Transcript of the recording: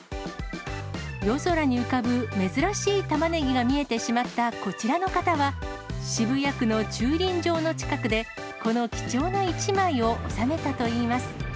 夜空に浮かぶ珍しいタマネギが見えてしまったこちらの方は、渋谷区の駐輪場の近くで、この貴重な一枚を収めたといいます。